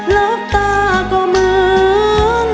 รับตาก็เหมือน